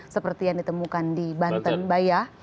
seperti yang ditemukan di banten baya